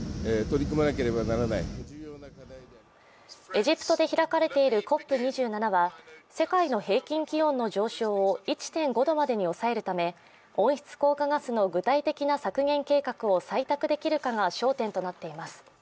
エジプトで開かれているＣＯＰ２７は、世界の平均気温の上昇を１．５度までに抑えるため温室効果ガスの具体的な削減計画を採択できるかが焦点となっています。